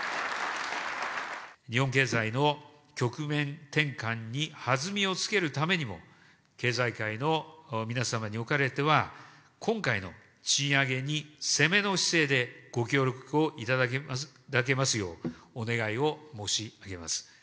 日本経済の局面転換に弾みをつけるためにも、経済界の皆様におかれては、今回の賃上げに攻めの姿勢でご協力をいただけますよう、お願いを申し上げます。